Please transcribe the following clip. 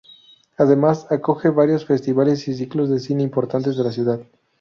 Además, acoge varios festivales y ciclos de cine importantes de la ciudad.